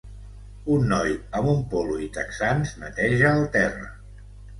Un noi amb un polo i texans neteja el terra.